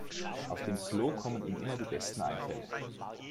Auf dem Klo kommen ihm immer die besten Einfälle.